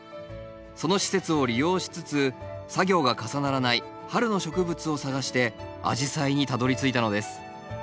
その施設を利用しつつ作業が重ならない春の植物を探してアジサイにたどりついたのです。